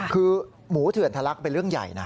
คือหมูเถื่อนทะลักเป็นเรื่องใหญ่นะ